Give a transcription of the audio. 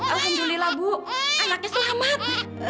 alhamdulillah bu anaknya selamat